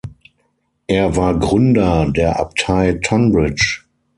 Er war der Gründer der Abtei Tonbridge.